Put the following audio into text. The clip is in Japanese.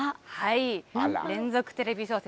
連続テレビ小説